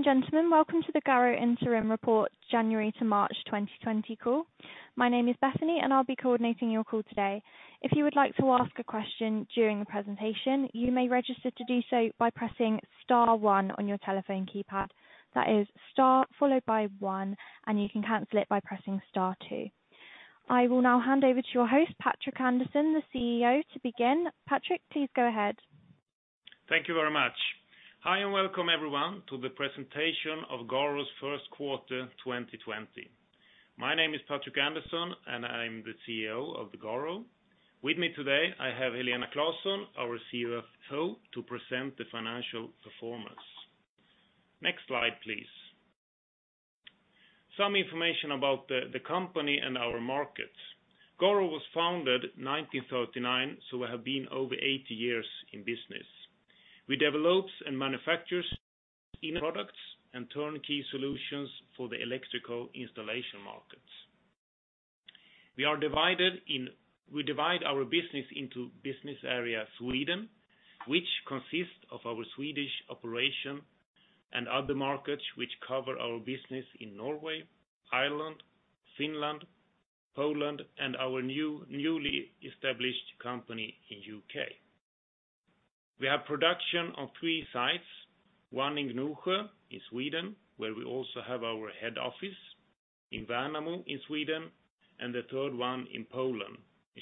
Ladies and gentlemen, welcome to the Garo Interim Report January to March 2020 call. My name is Bethany, and I'll be coordinating your call today. If you would like to ask a question during the presentation, you may register to do so by pressing star one on your telephone keypad. That is star followed by one, and you can cancel it by pressing star two. I will now hand over to your host, Patrik Andersson, the CEO, to begin. Patrik, please go ahead. Thank you very much. Hi and welcome, everyone, to the presentation of Garo's Q1 2020. My name is Patrik Andersson, and I'm the CEO of Garo. With me today, I have Helena Claesson, our CFO, to present the financial performance. Next slide, please. Some information about the company and our market. Garo was founded in 1939, so we have been over 80 years in business. We develop and manufacture products and turnkey solutions for the electrical installation markets. We divide our business into business area Sweden, which consists of our Swedish operation, and other markets which cover our business in Norway, Ireland, Finland, Poland, and our newly established company in the UK. We have production on three sites: one in Gnosjö in Sweden, where we also have our head office, in Värnamo in Sweden, and the third one in Poland,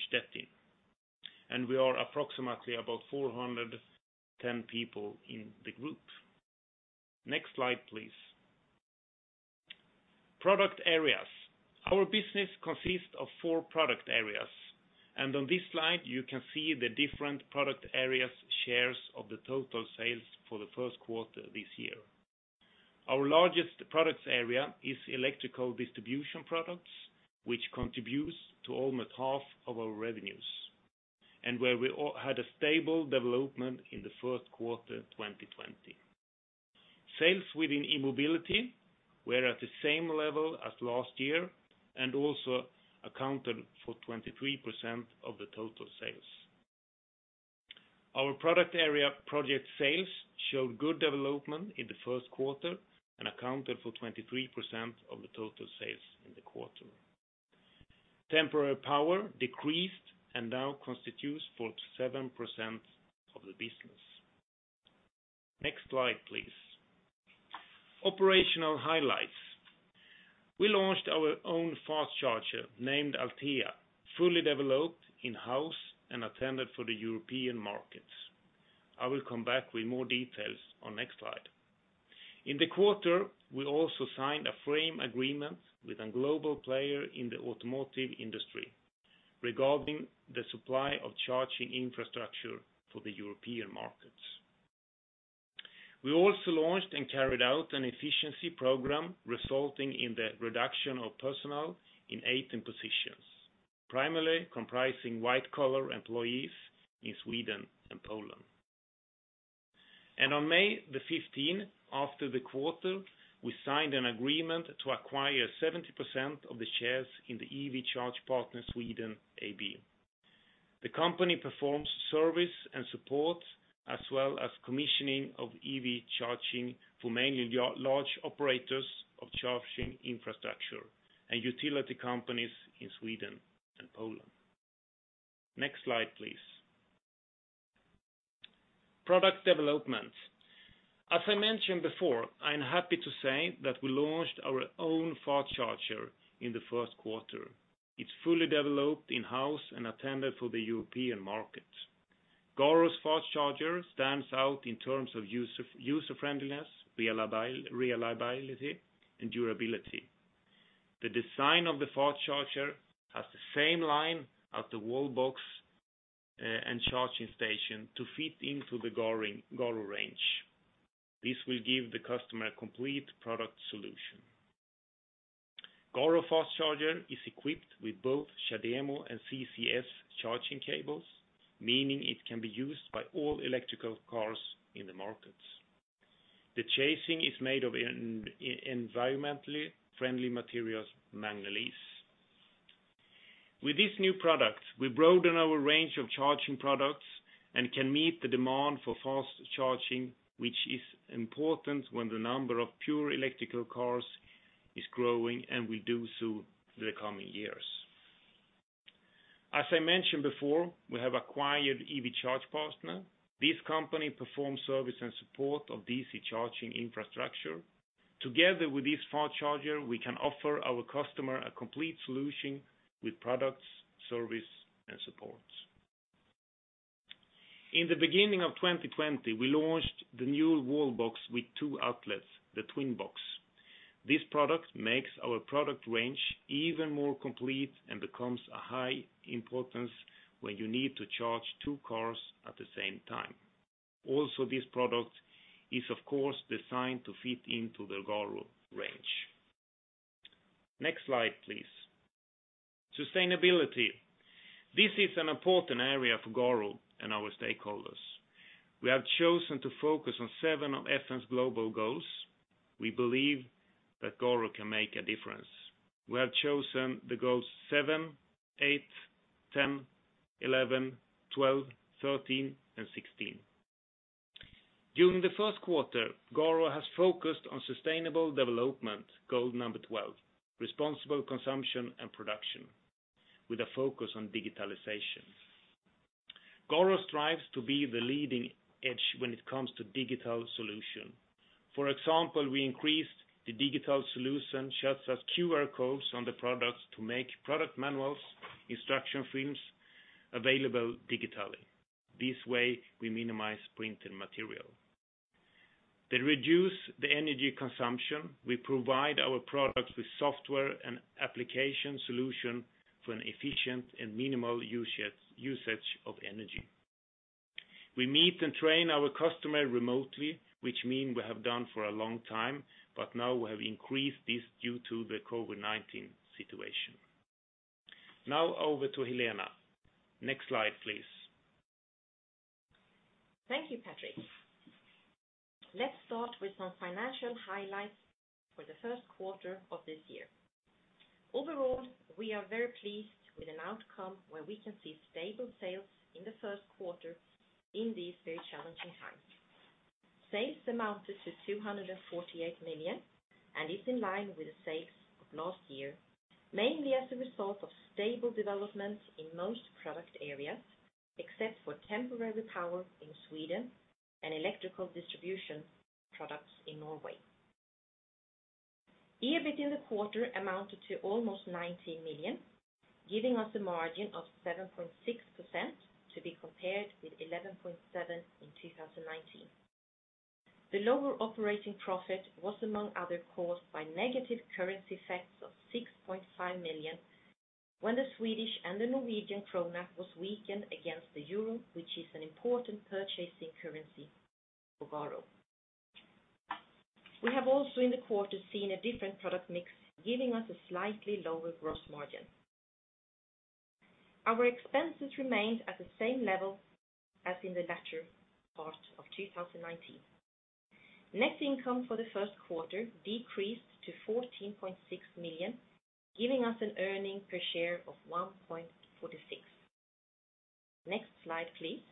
Stettin. We are approximately about 410 people in the group. Next slide, please. Product areas. Our business consists of four product areas, and on this slide, you can see the different product areas' shares of the total sales for the Q1 this year. Our largest product area is electrical distribution products, which contributes to almost half of our revenues, and where we had a stable development in the Q1 2020. Sales within e-mobility were at the same level as last year and also accounted for 23% of the total sales. Our product area project sales showed good development in the Q1 and accounted for 23% of the total sales in the quarter. Temporary power decreased and now constitutes 47% of the business. Next slide, please. Operational highlights. We launched our own fast charger named Althea, fully developed in-house and intended for the European markets. I will come back with more details on the next slide. In the quarter, we also signed a framework agreement with a global player in the automotive industry regarding the supply of charging infrastructure for the European markets. We also launched and carried out an efficiency program resulting in the reduction of personnel in 18 positions, primarily comprising white-collar employees in Sweden and Poland. On May the 15th, after the quarter, we signed an agreement to acquire 70% of the shares in the EV Charge Partner Sweden AB. The company performs service and support, as well as commissioning of EV charging for mainly large operators of charging infrastructure and utility companies in Sweden and Poland. Next slide, please. Product development. As I mentioned before, I'm happy to say that we launched our own fast charger in the Q1. It's fully developed in-house and intended for the European market. Garo's fast charger stands out in terms of user-friendliness, reliability, and durability. The design of the fast charger has the same line as the wall box and charging station to fit into the Garo range. This will give the customer a complete product solution. Garo fast charger is equipped with both CHAdeMO and CCS charging cables, meaning it can be used by all electric cars in the markets. The chassis is made of environmentally friendly materials, Magnelis. With this new product, we broaden our range of charging products and can meet the demand for fast charging, which is important when the number of pure electric cars is growing and will do so in the coming years. As I mentioned before, we have acquired EV Charge Partner. This company performs service and support of DC charging infrastructure. Together with this fast charger, we can offer our customer a complete solution with products, service, and support. In the beginning of 2020, we launched the new wall box with two outlets, the Twin box. This product makes our product range even more complete and becomes of high importance when you need to charge two cars at the same time. Also, this product is, of course, designed to fit into the Garo range. Next slide, please. Sustainability. This is an important area for Garo and our stakeholders. We have chosen to focus on seven of FN's global goals. We believe that Garo can make a difference. We have chosen the goals 7, 8, 10, 11, 12, 13, and 16. During the Q1, Garo has focused on sustainable development, goal number 12, responsible consumption and production, with a focus on digitalization. Garo strives to be the leading edge when it comes to digital solution. For example, we increased the digital solution such as QR codes on the products to make product manuals, instruction films available digitally. This way, we minimize printed material. They reduce the energy consumption. We provide our products with software and application solutions for an efficient and minimal usage of energy. We meet and train our customers remotely, which means we have done for a long time, but now we have increased this due to the COVID-19 situation. Now, over to Helena. Next slide, please. Thank you, Patrik. Let's start with some financial highlights for the Q1 of this year. Overall, we are very pleased with an outcome where we can see stable sales in the Q1 in these very challenging times. Sales amounted to 248 million and is in line with the sales of last year, mainly as a result of stable development in most product areas, except for temporary power in Sweden and electrical distribution products in Norway. EBIT in the quarter amounted to almost 19 million, giving us a margin of 7.6% to be compared with 11.7% in 2019. The lower operating profit was, among other causes, by negative currency effects of 6.5 million when the Swedish and the Norwegian krona were weakened against the euro, which is an important purchasing currency for Garo. We have also in the quarter seen a different product mix, giving us a slightly lower gross margin. Our expenses remained at the same level as in the latter part of 2019. Net income for the Q1 decreased to 14.6 million, giving us an earnings per share of 1.46. Next slide, please.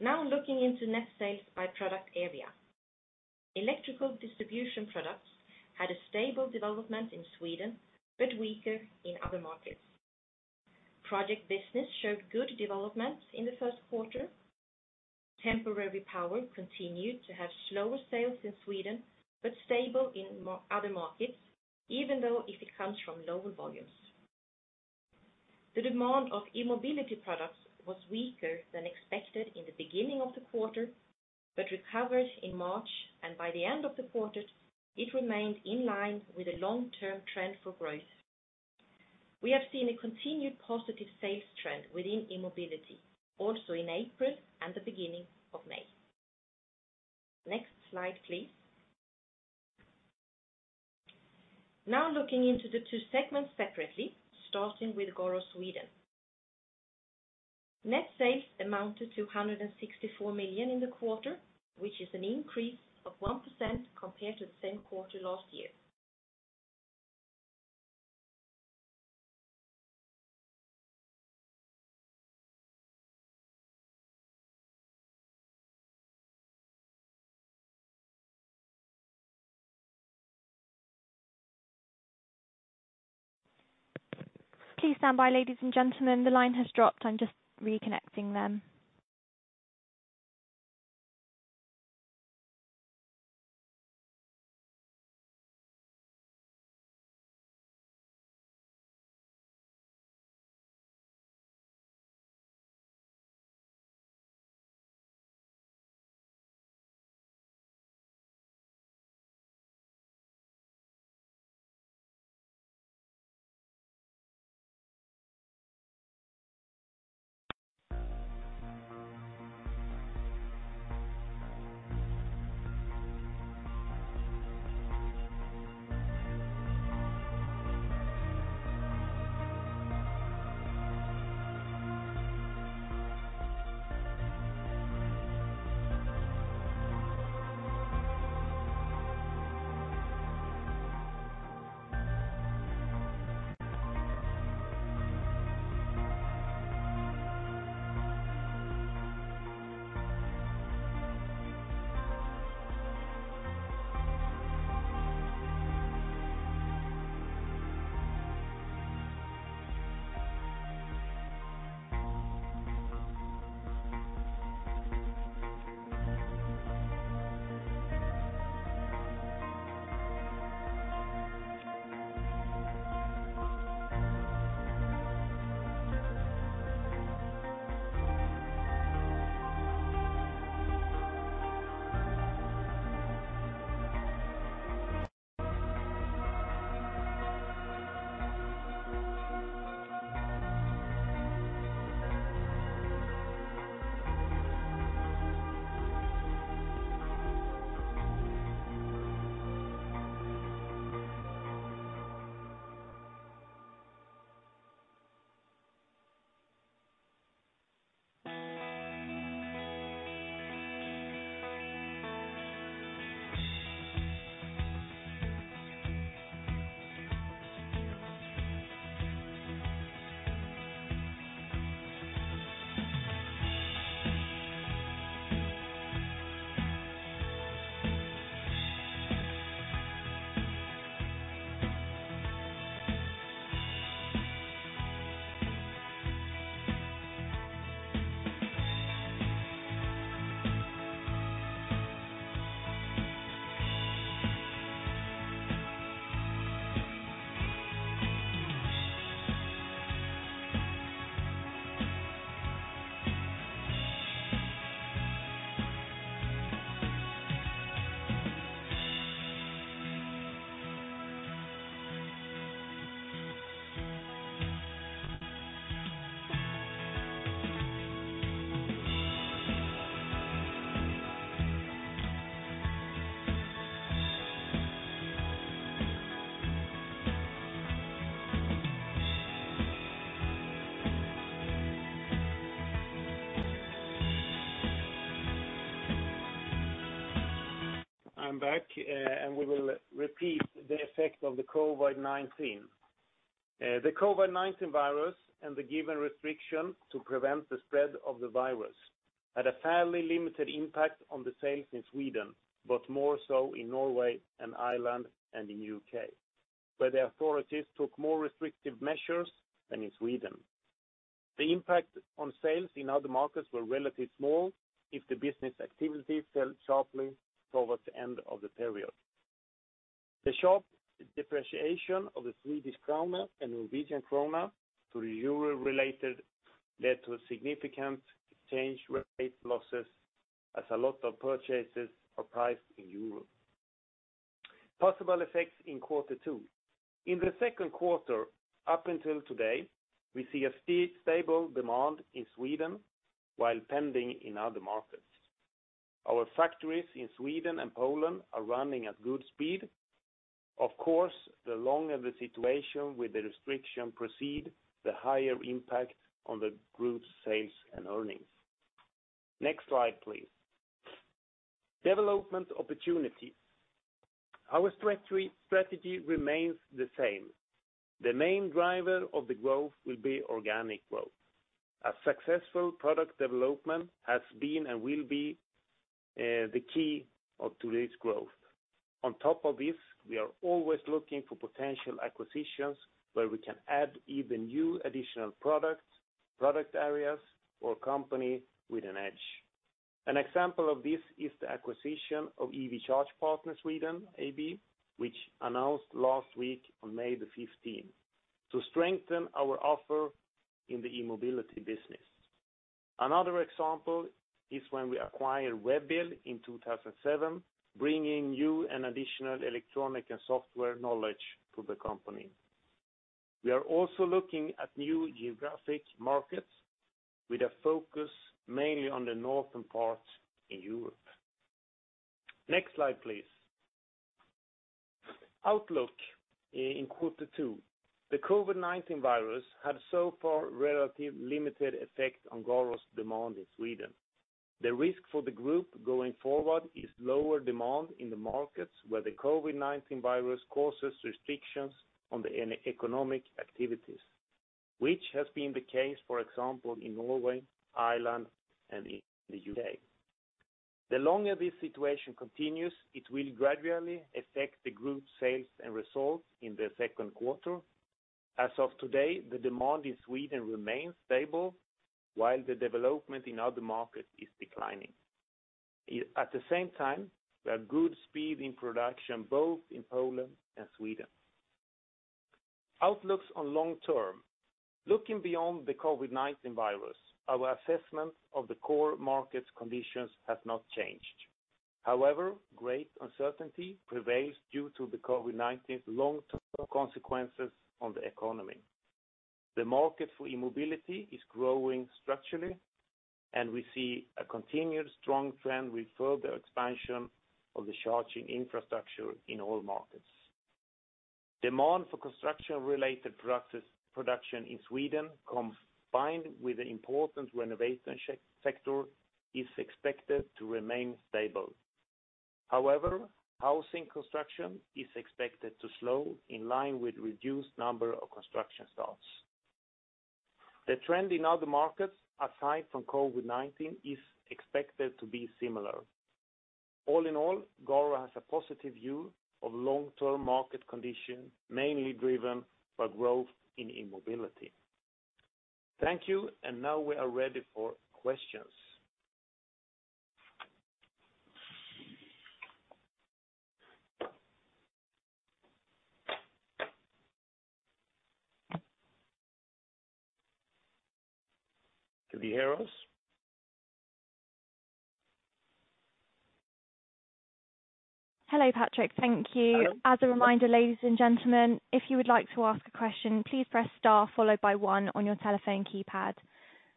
Now, looking into net sales by product area. Electrical distribution products had a stable development in Sweden but weaker in other markets. Project business showed good development in the Q1. Temporary power continued to have slower sales in Sweden but stable in other markets, even though it comes from lower volumes. The demand of e-mobility products was weaker than expected in the beginning of the quarter but recovered in March, and by the end of the quarter, it remained in line with a long-term trend for growth. We have seen a continued positive sales trend within e-mobility, also in April and the beginning of May. Next slide, please. Now, looking into the two segments separately, starting with Garo Sweden. Net sales amounted to 164 million in the quarter, which is an increase of 1% compared to the same quarter last year. Please stand by, ladies and gentlemen. The line has dropped. I'm just reconnecting them. I'm back, and we will repeat the effect of the COVID-19. The COVID-19 virus and the given restrictions to prevent the spread of the virus had a fairly limited impact on the sales in Sweden, but more so in Norway and Ireland and in the UK, where the authorities took more restrictive measures than in Sweden. The impact on sales in other markets was relatively small if the business activity fell sharply towards the end of the period. The sharp depreciation of the Swedish krona and Norwegian krona to the euro, which led to significant exchange rate losses, as a lot of purchases are priced in euros. Possible effects in Q2. In the Q2 up until today, we see a stable demand in Sweden while pending in other markets. Our factories in Sweden and Poland are running at good speed. Of course, the longer the situation with the restrictions proceeds, the higher the impact on the group's sales and earnings. Next slide, please. Development opportunity. Our strategy remains the same. The main driver of the growth will be organic growth, as successful product development has been and will be the key to this growth. On top of this, we are always looking for potential acquisitions where we can add either new additional products, product areas, or companies with an edge. An example of this is the acquisition of EV Charge Partner Sweden AB, which was announced last week on May the 15th, to strengthen our offer in the e-mobility business. Another example is when we acquired WEB-EL in 2007, bringing new and additional electronic and software knowledge to the company. We are also looking at new geographic markets with a focus mainly on the northern part in Europe. Next slide, please. Outlook in Q2. The COVID-19 virus had so far a relatively limited effect on Garo's demand in Sweden. The risk for the group going forward is lower demand in the markets where the COVID-19 virus causes restrictions on the economic activities, which has been the case, for example, in Norway, Ireland, and in the UK. The longer this situation continues, it will gradually affect the group's sales and results in the Q2. As of today, the demand in Sweden remains stable, while the development in other markets is declining. At the same time, we have good speed in production both in Poland and Sweden. Outlooks on long term. Looking beyond the COVID-19 virus, our assessment of the core market conditions has not changed. However, great uncertainty prevails due to the COVID-19's long-term consequences on the economy. The market for e-mobility is growing structurally, and we see a continued strong trend with further expansion of the charging infrastructure in all markets. Demand for construction-related production in Sweden, combined with the important renovation sector, is expected to remain stable. However, housing construction is expected to slow in line with a reduced number of construction starts. The trend in other markets, aside from COVID-19, is expected to be similar. All in all, Garo has a positive view of long-term market conditions, mainly driven by growth in e-mobility. Thank you, and now we are ready for questions. Can you hear us? Hello, Patrik. Thank you. As a reminder, ladies and gentlemen, if you would like to ask a question, please press star followed by one on your telephone keypad.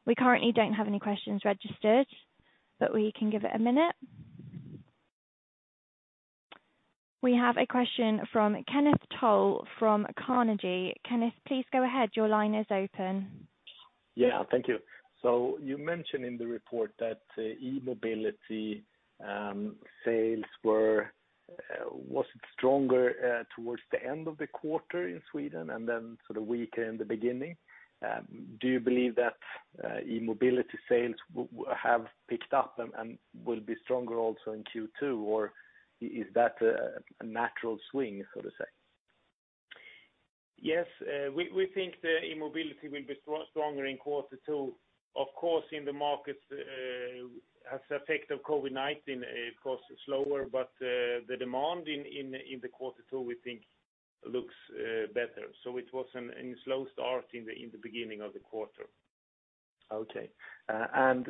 We currently don't have any questions registered, but we can give it a minute. We have a question from Kenneth Toll from Carnegie. Kenneth, please go ahead. Your line is open. Yeah, thank you. So you mentioned in the report that e-mobility sales were stronger towards the end of the quarter in Sweden and then sort of weaker in the beginning. Do you believe that e-mobility sales have picked up and will be stronger also in Q2, or is that a natural swing, so to say? Yes, we think that e-mobility will be stronger in Q2. Of course, in the markets, as the effect of COVID-19, of course, is slower, but the demand in the Q2, we think, looks better. So it was a slow start in the beginning of the quarter. Okay. And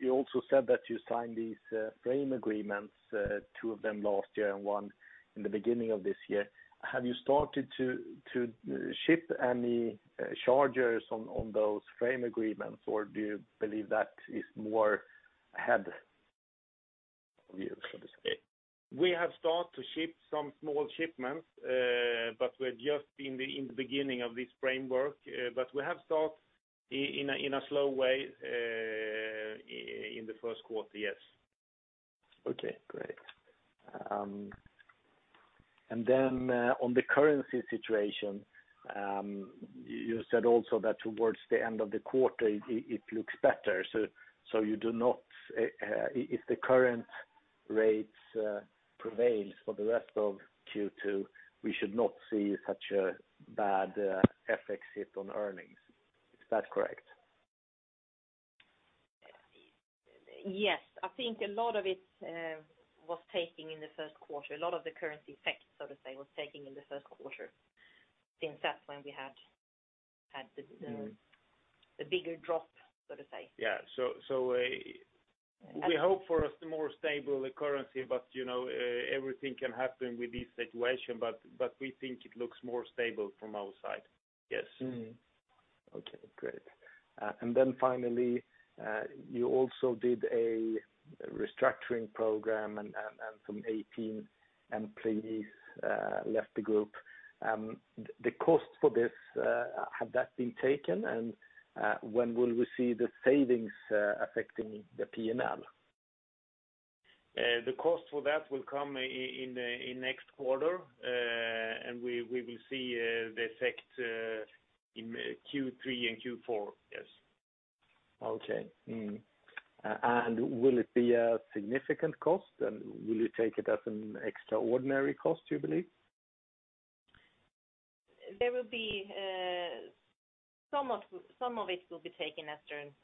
you also said that you signed these frame agreements, two of them last year and one in the beginning of this year. Have you started to ship any chargers on those frame agreements, or do you believe that is more ahead of you, so to say? We have started to ship some small shipments, but we're just in the beginning of this framework. But we have started in a slow way in the Q1, yes. Okay, great. And then on the currency situation, you said also that towards the end of the quarter, it looks better. So if the current rates prevail for the rest of Q2, we should not see such a bad effect on earnings. Is that correct? Yes. I think a lot of it was taking in the Q1. A lot of the currency effect, so to say, was taking in the Q1 since that's when we had the bigger drop, so to say. Yeah. So we hope for a more stable currency, but everything can happen with this situation. But we think it looks more stable from our side. Yes. Okay, great. And then finally, you also did a restructuring program, and some 18 employees left the group. The cost for this, had that been taken? And when will we see the savings affecting the P&L? The cost for that will come in next quarter, and we will see the effect in Q3 and Q4, yes. Okay. And will it be a significant cost, and will you take it as an extraordinary cost, do you believe? There will be some of it that will be taken as an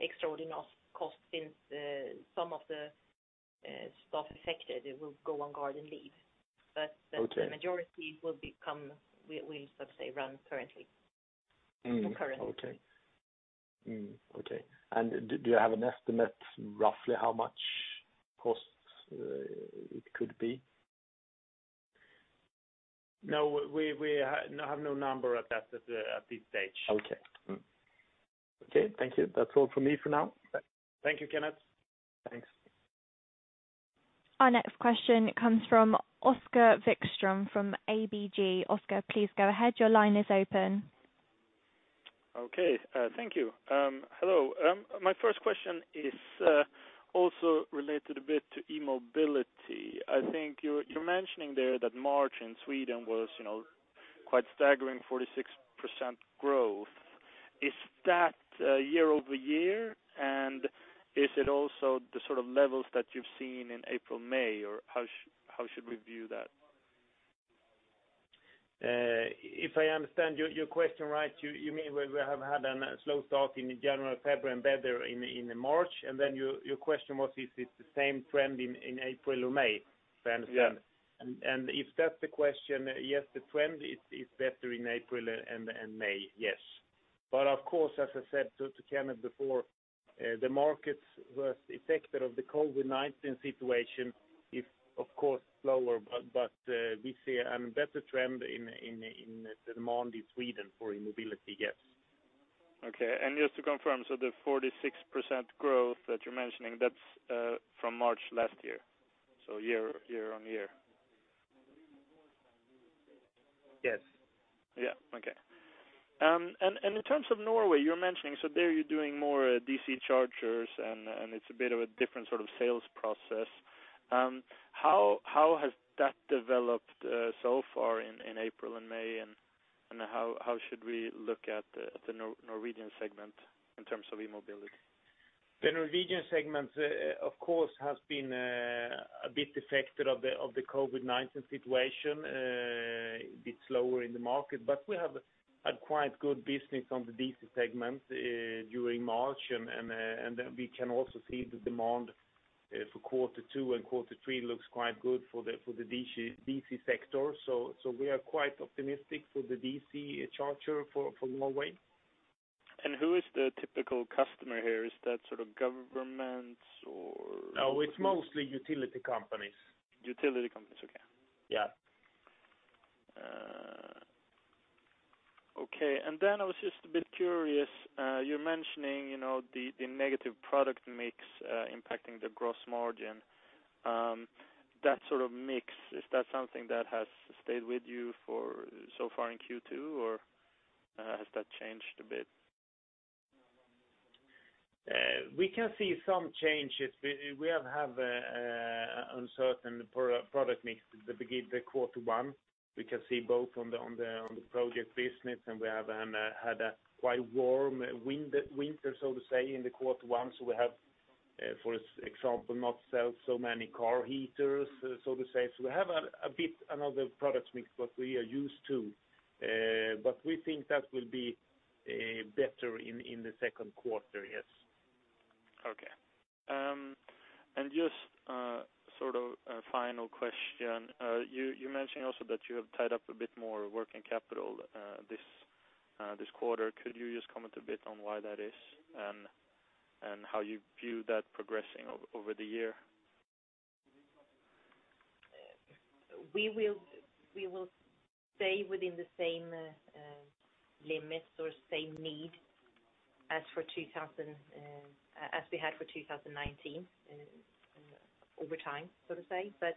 extraordinary cost since some of the staff affected will go on garden leave, but the majority will become, well, so to speak, recurring. Okay. Okay. And do you have an estimate roughly how much cost it could be? No, we have no number at this stage. Okay. Okay, thank you. That's all from me for now. Thank you, Kenneth. Thanks. Our next question comes from Oskar Vikström from ABG. Oscar, please go ahead. Your line is open. Okay, thank you. Hello. My first question is also related a bit to e-mobility. I think you're mentioning there that March in Sweden was quite staggering, 46% growth. Is that year over year, and is it also the sort of levels that you've seen in April, May, or how should we view that? If I understand your question right, you mean we have had a slow start in January, February, and better in March, and then your question was, is it the same trend in April or May? If I understand. Yes. And if that's the question, yes, the trend is better in April and May, yes. But of course, as I said to Kenneth before, the markets were affected by the COVID-19 situation, of course, slower, but we see a better trend in the demand in Sweden for e-mobility, yes. Okay. And just to confirm, so the 46% growth that you're mentioning, that's from March last year, so year on year? Yes. Yeah. Okay. And in terms of Norway, you're mentioning so there you're doing more DC chargers, and it's a bit of a different sort of sales process. How has that developed so far in April and May, and how should we look at the Norwegian segment in terms of e-mobility? The Norwegian segment, of course, has been a bit affected by the COVID-19 situation, a bit slower in the market, but we have had quite good business on the DC segment during March, and we can also see the demand for Q2 and Q3 looks quite good for the DC sector, so we are quite optimistic for the DC charger for Norway. Who is the typical customer here? Is that sort of government or? Oh, it's mostly utility companies. Utility companies. Okay. Yeah. Okay. And then I was just a bit curious. You're mentioning the negative product mix impacting the gross margin. That sort of mix, is that something that has stayed with you so far in Q2, or has that changed a bit? We can see some changes. We have had an uncertain product mix in the Q1. We can see both on the project business, and we have had a quite warm winter, so to say, in the Q1, so we have, for example, not sold so many car heaters, so to say. We have a bit of another product mix what we are used to, but we think that will be better in the Q2, yes. Okay. And just sort of a final question. You mentioned also that you have tied up a bit more working capital this quarter. Could you just comment a bit on why that is and how you view that progressing over the year? We will stay within the same limits or same need as we had for 2019 over time, so to say. But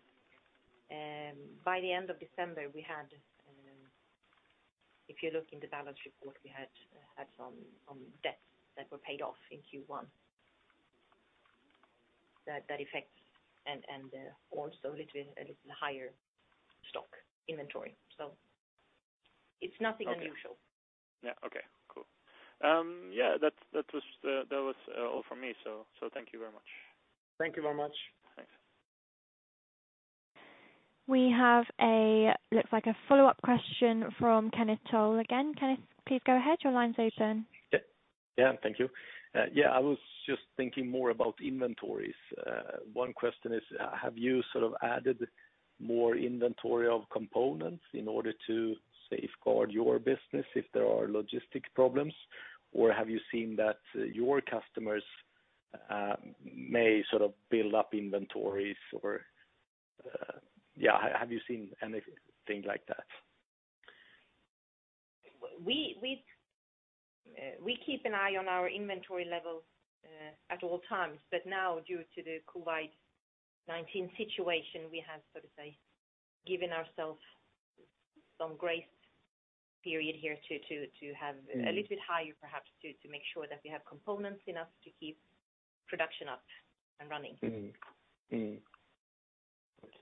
by the end of December, we had, if you look in the balance report, we had some debts that were paid off in Q1 that affected, and also a little higher stock inventory. So it's nothing unusual. Yeah. Okay. Cool. Yeah, that was all from me. So thank you very much. Thank you very much. Thanks. We have a follow-up question from Kenneth Toll again. Kenneth, please go ahead. Your line's open. Yeah, thank you. Yeah, I was just thinking more about inventories. One question is, have you sort of added more inventory of components in order to safeguard your business if there are logistic problems, or have you seen that your customers may sort of build up inventories, or yeah, have you seen anything like that? We keep an eye on our inventory level at all times, but now, due to the COVID-19 situation, we have, so to say, given ourselves some grace period here to have a little bit higher, perhaps, to make sure that we have components enough to keep production up and running.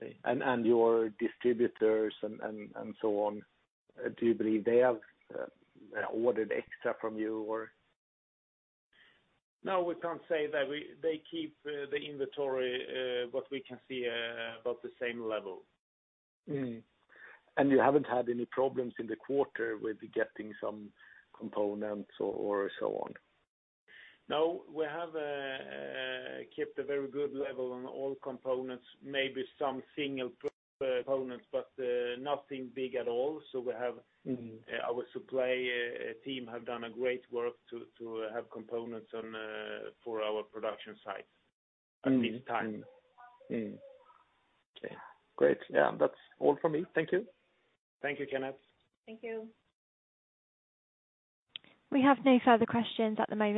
Okay. And your distributors and so on, do you believe they have ordered extra from you, or? No, we can't say that. They keep the inventory, but we can see about the same level. You haven't had any problems in the quarter with getting some components or so on? No, we have kept a very good level on all components, maybe some single components, but nothing big at all. So our supply team have done a great work to have components for our production site at this time. Okay. Great. Yeah, that's all from me. Thank you. Thank you, Kenneth. Thank you. We have no further questions at the moment.